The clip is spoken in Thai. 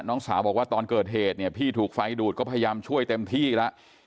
น้องสาวบอกว่าตอนเกิดเหตุเนี่ยพี่ถูกไฟดูดก็พยายามช่วยเต็มที่แล้ว